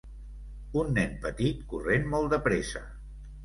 Un nen petit corrent molt de pressa.